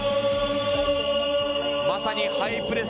まさにハイプレス。